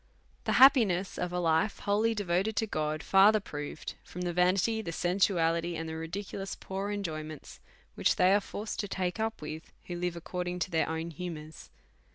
The Happiness of a Life wholly devoted unto God, further proved from the "canity, the sensuality, and the ridiculous poor Enjoyments, lohich they are forced to take up with, who live according to their own Humours.